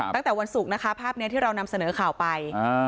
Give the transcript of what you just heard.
ตั้งแต่วันสุขนะครับ